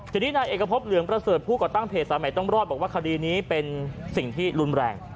ทีนี้นายเอกพบเหลืองประเสริฐผู้ก่อตั้งเพจสายใหม่ต้องรอดบอกว่าคดีนี้เป็นสิ่งที่รุนแรง